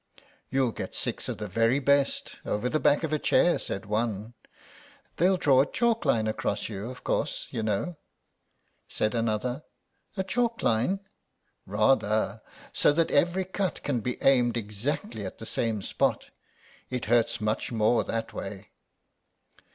"You'll get six of the very best, over the back of a chair," said one. "They'll draw a chalk line across you, of course you know," said another. "A chalk line?" "Rather. So that every cut can be aimed exactly at the same spot. It hurts much more that way."